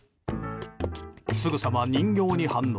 すぐさま人形に反応。